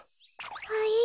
はい？